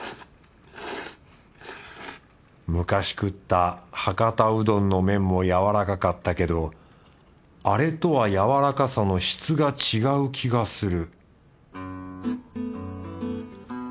昔食った博多うどんの麺もやわらかかったけどあれとはやわらかさの質が違う気がする